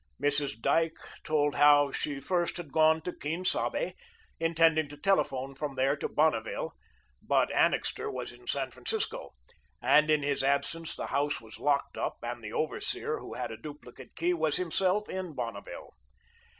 Mrs. Dyke told how she first had gone to Quien Sabe, intending to telephone from there to Bonneville, but Annixter was in San Francisco, and in his absence the house was locked up, and the over seer, who had a duplicate key, was himself in Bonneville.